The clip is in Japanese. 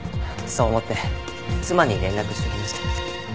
そう思って妻に連絡しときました。